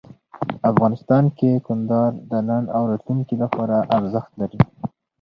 افغانستان کې کندهار د نن او راتلونکي لپاره ارزښت لري.